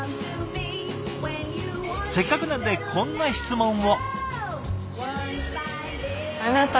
せっかくなんでこんな質問を。